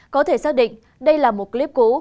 có thể xác định đây là một clip cũ